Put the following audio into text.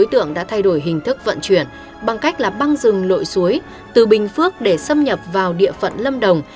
tượng đã thay đổi hình thức vận chuyển bằng cách là băng rừng lội suối từ bình phước để xâm nhập vào địa phận lâm đồng